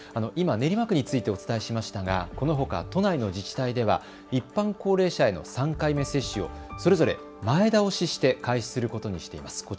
今、練馬区についてお伝えしましたがこのほか都内の自治体では一般高齢者への３回目接種をそれぞれ前倒しして開始することにしています。